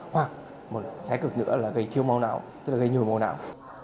hoặc một thái cực nữa là gây thiêu máu não tức là gây nhồi máu não